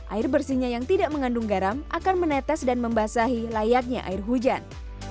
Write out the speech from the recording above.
air bersihnya yang tidak mengandung garam akan menetes dan membasahi layaknya air hujan